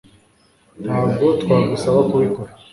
Ntabwo twagusaba kubikora